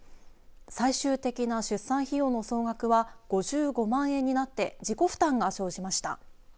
最終的な出産費用の総額は５５万円になって自己負担が生じました。